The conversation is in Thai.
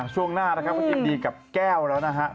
ช่วงหน้านะครับก็ยินดีกับแก้วแล้วนะครับ